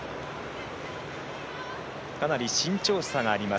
かなり身長差があります